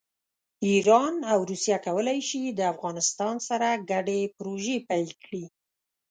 ایران او روسیه کولی شي د افغانستان سره ګډې پروژې پیل کړي.